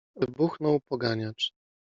- wybuchnął poganiacz.